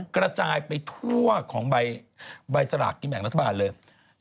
กระจายไปทั่วของใบสลากกินแบ่งรัฐบาลเลย